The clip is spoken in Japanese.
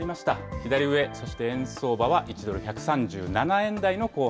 左上、そして円相場は１ドル１３